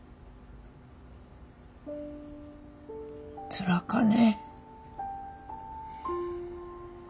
つらかね。